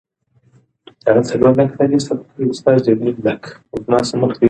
ملالۍ پیژنه.